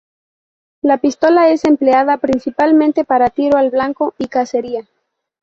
La pistola es empleada principalmente para tiro al blanco y cacería.